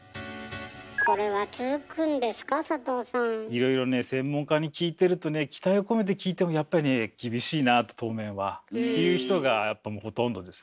いろいろね専門家に聞いてるとね期待を込めて聞いてもやっぱりね厳しいなと当面は。という人がやっぱほとんどですね。